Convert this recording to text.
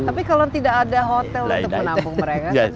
tapi kalau tidak ada hotel untuk menampung mereka